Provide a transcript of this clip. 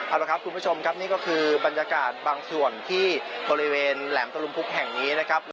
เอาละครับคุณผู้ชมครับนี่ก็คือบรรยากาศบางส่วนที่บริเวณแหลมตะลุมพุกแห่งนี้นะครับ